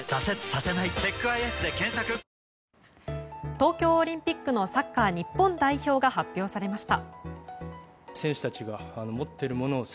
東京オリンピックのサッカー日本代表が発表されました。